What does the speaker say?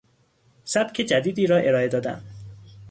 سبک جدیدی را ارائه دادن